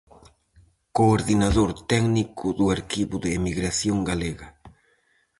Coordinador Técnico do Arquivo da Emigración Galega.